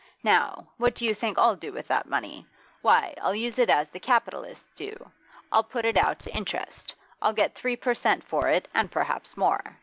Now what do you think I'll do with that money? Why, I'll use it as the capitalists do. I'll put it out to interest; I'll get three per cent. for it, and perhaps more.